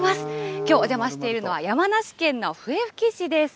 きょうお邪魔しているのは、山梨県の笛吹市です。